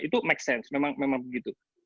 itu make sense memang begitu